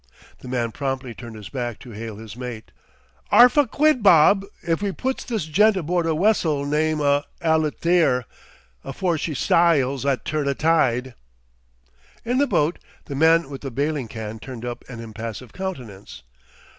The man promptly turned his back to hail his mate. "'Arf a quid, Bob, if we puts this gent aboard a wessel name o' Allytheer afore she syles at turn o' tide." In the boat the man with the bailing can turned up an impassive countenance.